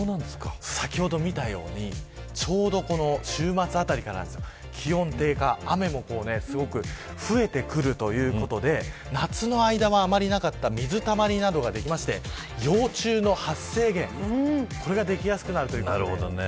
先ほど見たようにちょうど週末あたりから気温の低下雨もすごく増えてくるということで夏の間はあんまりなかった水たまりなどができまして幼虫の発生源これができやすくなるということです。